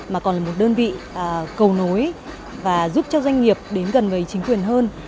mà còn là một đơn vị cầu nối và giúp cho doanh nghiệp đến gần với chính quyền hơn